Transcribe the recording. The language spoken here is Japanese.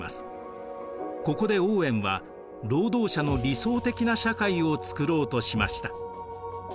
ここでオーウェンは労働者の理想的な社会をつくろうとしました。